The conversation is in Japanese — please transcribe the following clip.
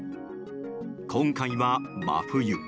今回は真冬。